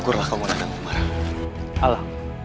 terima kasih gumarah